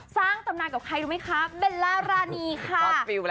สร้างตำนานกับใครรู้ไหมคะเบลล่ารานีค่ะ